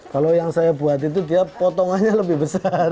kalau yang saya buat itu dia potongannya lebih besar